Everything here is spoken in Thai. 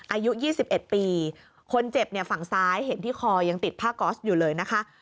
อายุ๒๑ปีคนเจ็บเนี่ยฝั่งซ้ายเห็นที่คอยังติดผ้าก๊อสอยู่เลยนะคะ